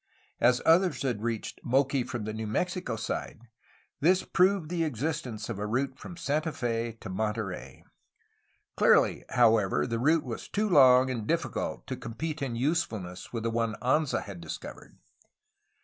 As others had reached Moqui from the New Mexico side, this proved the existence of a route from Santa Fe to Monterey. Clearly, however, the route was too long and difficult to compete in usefulness with the one Anza had discovered.